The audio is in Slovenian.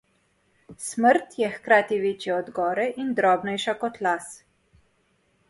Smrt je hkrati večja od gore in drobnejša kot las.